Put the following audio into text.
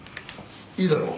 いいだろう。